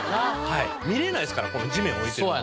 見れないですから地面置いてるのは。